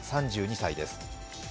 ３２歳です。